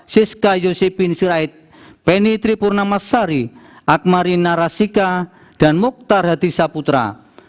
seska yosepin sirait peni tripurnamasari akmari narasika dan muktar hatisa putra